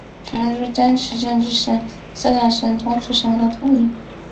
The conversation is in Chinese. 全书坚持政治性、思想性和通俗性的统一